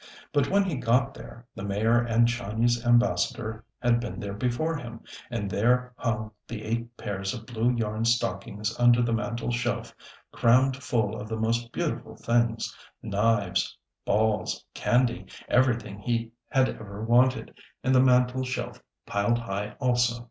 But when he got there, the Mayor and Chinese Ambassador had been there before him, and there hung the eight pairs of blue yarn stockings under the mantel shelf, crammed full of the most beautiful things knives, balls, candy everything he had ever wanted, and the mantel shelf piled high also.